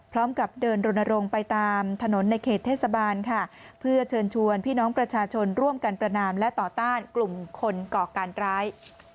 พร้อมกับเดินรณรงค์ไปตามถนนในเขตเทศบาลค่ะเพื่อเชิญชวนพี่น้องประชาชนร่วมกันประนามและต่อต้านกลุ่มคนก่อการร้าย